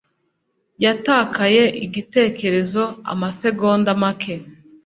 yatakaye igitekerezo amasegonda make